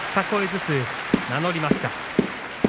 声ずつ名乗りました。